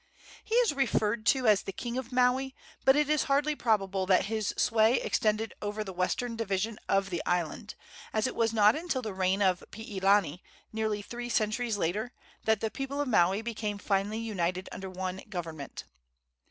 He is referred to as the king of Maui, but it is hardly probable that his sway extended over the western division of the island, as it was not until the reign of Piilani, nearly three centuries later, that the people of Maui became finally united under one government.